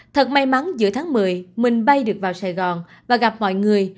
thật may mắn giữa tháng một mươi mình bay được vào sài gòn và gặp mọi người